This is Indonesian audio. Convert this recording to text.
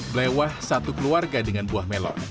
melewah satu keluarga dengan buah melon